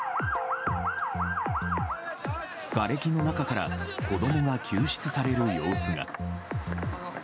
がれきの中から子供が救出される様子が。